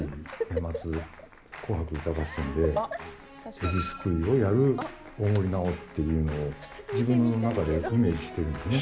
えびすくいをやる大森南朋っていうのを自分の中でイメージしてるんですね。